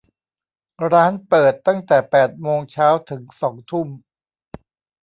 ร้านเปิดตั้งแต่แปดโมงเช้าถึงสองทุ่ม